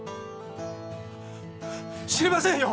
知りませんよ。